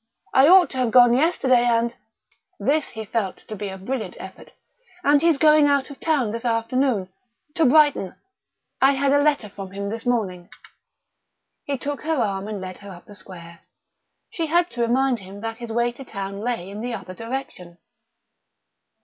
I ought to have gone yesterday, and " this he felt to be a brilliant effort "and he's going out of town this afternoon. To Brighton. I had a letter from him this morning." He took her arm and led her up the square. She had to remind him that his way to town lay in the other direction.